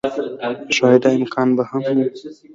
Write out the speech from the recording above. ښايي دا امکان به هم و